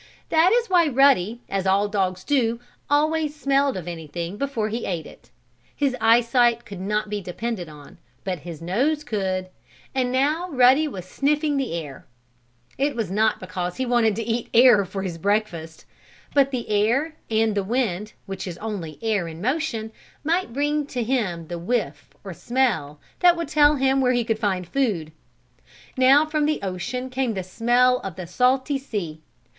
That is why Ruddy, as all dogs do, always smelled of anything before he ate it. His eyesight could not be depended on, but his nose could. And now Ruddy was sniffing the air. It was not because he wanted to eat air for his breakfast, but the air, and the wind, which is only air in motion, might bring to him the whiff, or smell, that would tell him where he could find food. Now from the ocean came the smell of the salty sea.